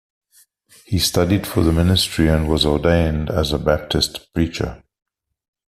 He studied for the ministry and was ordained as a Baptist preacher.